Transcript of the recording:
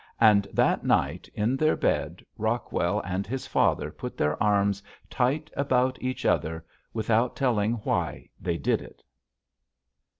And that night in their bed Rockwell and his father put their arms tight about each other without telling why they did it.